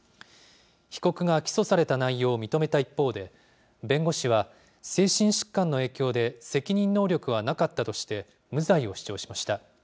被告が起訴された内容を認めた一方で、弁護士は、精神疾患の影響で責任能力はなかったとして、無罪を主張しました。